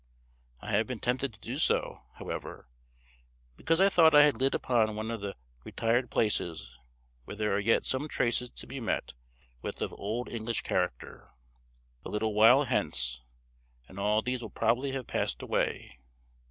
I have been tempted to do so, however, because I thought I had lit upon one of the retired places where there are yet some traces to be met with of old English character. A little while hence, and all these will probably have passed away.